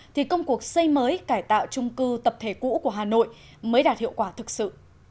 thì công cuộc xây mới cải tạo trung cư tập thể cũ của hà nội mới đạt hiệu quả thực sự